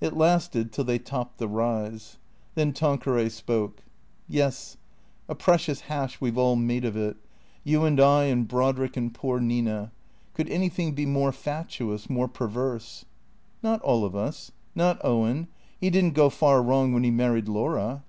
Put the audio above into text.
It lasted till they topped the rise, Then Tanqueray spoke. " Yes. A precious hash we 've all made of it. You and I and Brodrick and poor Nina. Could anything be more fatuous, more perverse? "" Not all of us. Not Owen. He did n't go far wrong when he married Laura."